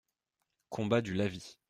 Combat du Lavis.